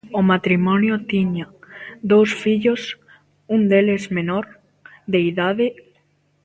O matrimonio tiña dous fillos, un deles menor de idade.